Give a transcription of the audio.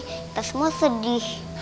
kita semua sedih